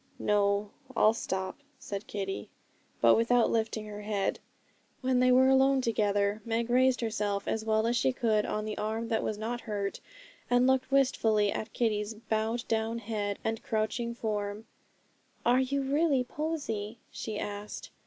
'No, I'll stop,' said Kitty, but without lifting her head. When they were alone together, Meg raised herself as well as she could on the arm that was not hurt, and looked wistfully at Kitty's bowed down head and crouching form. 'Are you really Posy?' she asked.